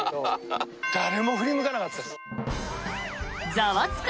「ザワつく！